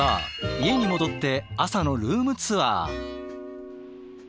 家に戻って朝のルームツアー。